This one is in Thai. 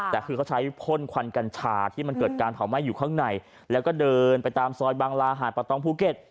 แต่คือเขาใช้พ่นควันกัญชาที่มันเกิดการเผาไหม้อยู่ข้างในแล้วก็เดินไปตามซอยบางลาหาดประตองภูเก็ต